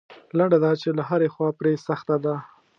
لنډه دا چې له هرې خوا پرې سخته ده.